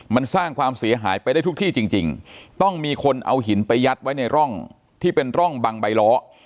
มันสร้างความเสียหายไปได้ทุกที่จริงต้องมีคนเอาหินไปยัดไว้ในร่องที่เป็นร่องบังใบล้อ